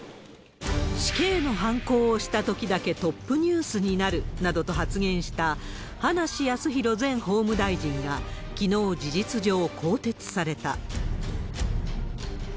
死刑のはんこを押したときだけトップニュースになるなどと発言した、葉梨康弘前法務大臣が、きのう、事実上更迭された。